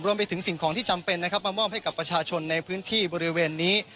รวมไปถึงสิ่งของที่จำเป็นนะครับมามอบให้กับประชาชนในพื้นที่บริเวณนี้